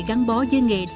gắn bó với nghề